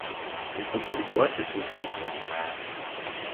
І тут адбылася сенсацыя.